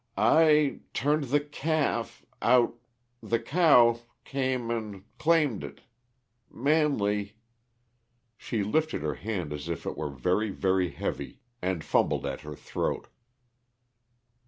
"I turned the calf out the cow came and claimed it Manley " She lifted her hand as if it were very, very heavy, and fumbled at her throat.